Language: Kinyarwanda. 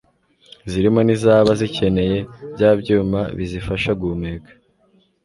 zirimo n'izaba zikeneye bya byuma bizifasha guhumeka.